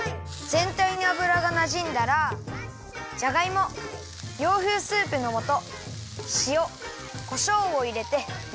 ぜんたいにあぶらがなじんだらじゃがいも洋風スープのもとしおこしょうをいれてまぜながらいためます。